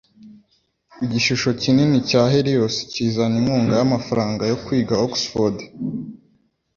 igishusho kinini cya Helios kizana inkunga y'amafaranga yo kwiga Oxford